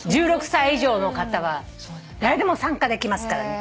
１６歳以上の方は誰でも参加できますからね。